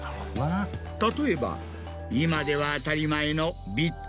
例えば今では当たり前の。